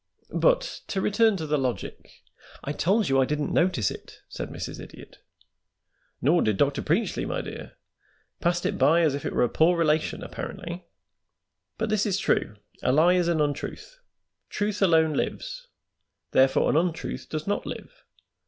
But to return to the logic " "I told you I didn't notice it," said Mrs. Idiot. "Nor did Dr. Preachly, my dear; passed it by as if it were a poor relation, apparently. But this is true, a lie is an untruth. Truth alone lives, therefore an untruth does not live.